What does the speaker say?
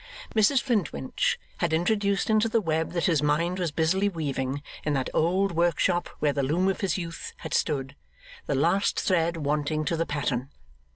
Mrs Flintwinch had introduced into the web that his mind was busily weaving, in that old workshop where the loom of his youth had stood, the last thread wanting to the pattern.